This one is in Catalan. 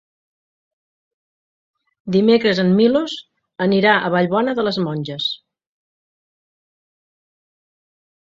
Dimecres en Milos irà a Vallbona de les Monges.